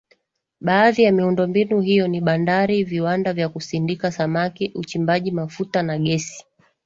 Baadhi ya miundombinu hiyo ni bandari viwanda vya kusindika samaki uchimbaji mafuta na gesi